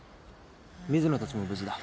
水野たちも無事だ。